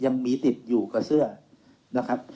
มีดติดอยู่กับเสื้อนะครับ